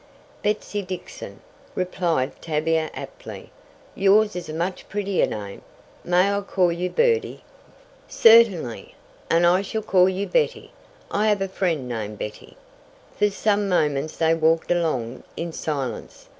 "Betsy Dixon," replied Tavia aptly. "Yours is a much prettier name. May I call you Birdie?" "Certainly, and I shall call you Betty. I have a friend named Betty." For some moments they walked along in silence.